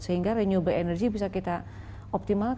sehingga renewable energy bisa kita optimalkan